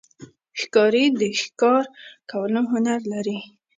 ښکاري د ښکار کولو هنر لري.